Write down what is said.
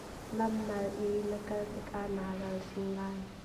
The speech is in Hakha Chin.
Lam nal i na kal tikah naa ralring lai.